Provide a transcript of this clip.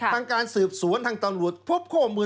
ทางการสืบสวนทางตำรวจพบข้อมูล